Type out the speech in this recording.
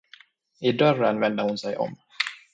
I dörren vände hon sig om.